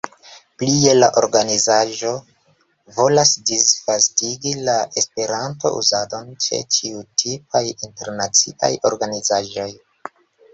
Plie, la organizaĵo volas disvastigi la esperanto-uzadon ĉe ĉiutipaj internaciaj organizaĵoj.